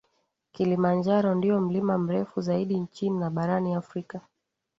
Kilimanjaro ndiyo mlima mrefu zaidi nchini na barani Afrika